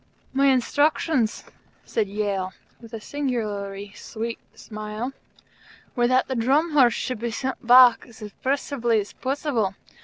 "My instructions," said Yale, with a singularly sweet smile, "were that the Drum Horse should be sent back as impressively as possible.